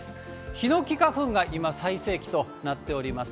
ヒノキ花粉が今、最盛期となっております。